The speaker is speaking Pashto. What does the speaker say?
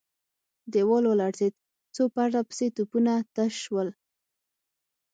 دېوال ولړزېد، څو پرله پسې توپونه تش شول.